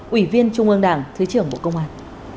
ủy viên trung ương đảng thứ trưởng bộ công an